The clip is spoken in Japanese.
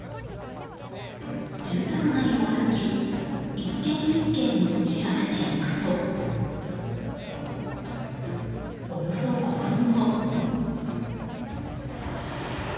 住宅街を歩き１軒１軒調べていくとおよそ５分後。